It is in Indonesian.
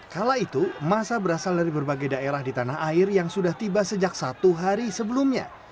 kala itu masa berasal dari berbagai daerah di tanah air yang sudah tiba sejak satu hari sebelumnya